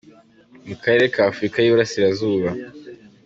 Mu Karere ka Afurika y’i Burasirazuba.